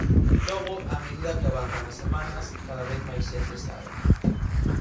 Logo, a medida que avanzan as semanas, cada vez máis xente sae.